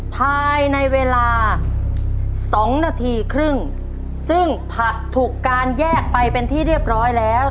ภายในเวลาสองนาทีครึ่งซึ่งผักถูกการแยกไปเป็นที่เรียบร้อยแล้ว